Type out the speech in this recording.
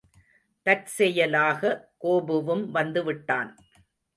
தற்செயலாக, கோபுவும் வந்துவிட்டான்.